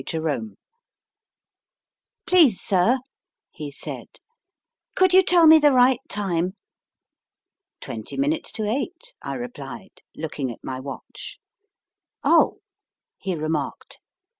JEROME PLEASE, sir, he said, could you tell me the right time ? Twenty minutes to eight, I replied, looking at my watch. Oh, he remarked.